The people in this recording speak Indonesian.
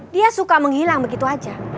dia suka menghilang begitu saja